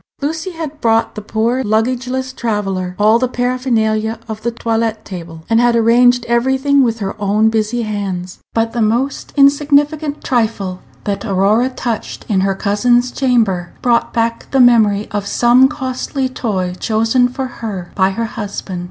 Lucy had brought the poor luggageless traveller all the paraphernalia of the toilet table, and had arranged everything with her own busy hands. But the most insignificant trifle that Aurora touched Page 155 in her cousin's chamber brought back the memory of some costly toy chosen for her by her husband.